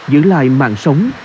giữ lại mạng sống